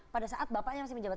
pada saat bapaknya masih menjabat